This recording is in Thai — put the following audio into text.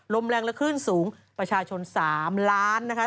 ลมแรงและคลื่นสูงประชาชน๓ล้านนะคะ